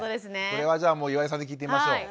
これはじゃあ岩井さんに聞いてみましょう。